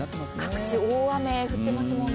各地大雨が降っていますもんね。